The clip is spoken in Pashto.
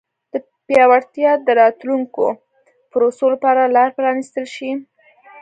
د پیاوړتیا د راتلونکو پروسو لپاره لار پرانیستل شي.